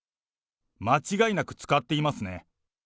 間違いなく使っていますね。